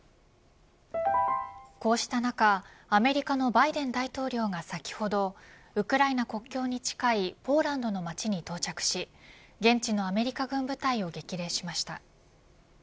こうした中、アメリカのバイデン大統領が先ほどウクライナ国境に近いポーランドの町に到着し現地のアメリカ軍部隊を激励しました。